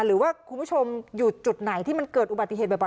หรือว่าคุณผู้ชมอยู่จุดไหนที่มันเกิดอุบัติเหตุบ่อย